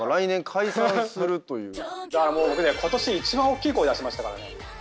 僕ね今年一番大きい声出しましたからね。